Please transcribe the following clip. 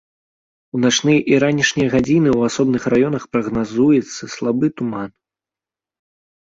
У начныя і ранішнія гадзіны ў асобных раёнах прагназуецца слабы туман.